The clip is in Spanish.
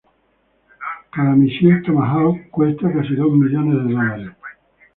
Cada misil Tomahawk cuesta casi dos millones de dólares.